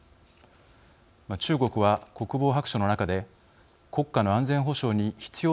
中国は国防白書の中で国家の安全保障に必要